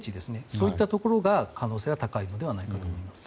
そういったところが可能性が高いのではないかと思います。